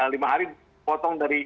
lima hari potong dari